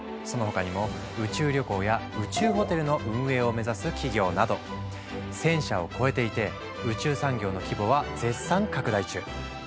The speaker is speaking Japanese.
その他にも宇宙旅行や宇宙ホテルの運営を目指す企業など１，０００社を超えていて宇宙産業の規模は絶賛拡大中。